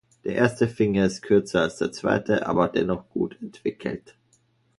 Der erste Finger ist kürzer als der zweite, aber dennoch gut entwickelt.